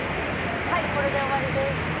はいこれで終わりです。